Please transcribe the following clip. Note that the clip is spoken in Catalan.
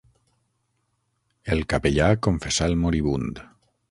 El capellà confessà el moribund.